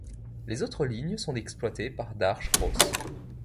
Les autres lignes sont exploitées par Darche-Gros.